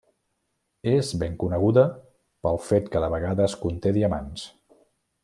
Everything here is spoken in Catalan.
És ben coneguda pel fet que de vegades conté diamants.